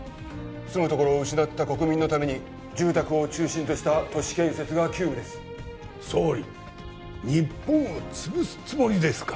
住むところを失った国民のために住宅を中心とした都市建設が急務です総理日本を潰すつもりですか？